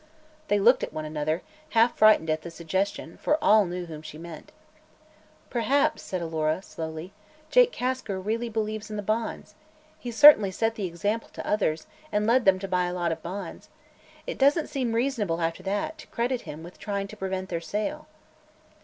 They looked at one another, half frightened at the suggestion, for all knew whom she meant. "Perhaps," said Alora, slowly, "Jake Kasker really believes in the bonds. He certainly set the example to others and led them to buy a lot of bonds. It doesn't seem reasonable, after that, to credit him with trying to prevent their sale."